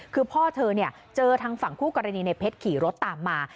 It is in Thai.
คือพ่อเธอเจอทางฝั่งคู่กรณีในเพชรขี่รถตามมา